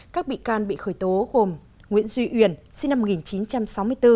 các bị can bị khởi tố gồm nguyễn duy uyển sinh năm một nghìn chín trăm sáu mươi bốn